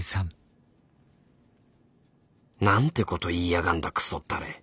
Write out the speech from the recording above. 何てこと言いやがんだくそったれ。